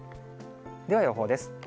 では、予報です。